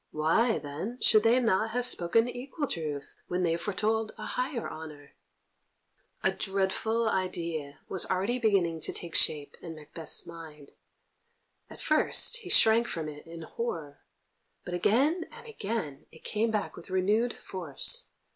Why, then, should they not have spoken equal truth when they foretold a higher honour? A dreadful idea was already beginning to take shape in Macbeth's mind. At first he shrank from it in horror, but again and again it came back with renewed force.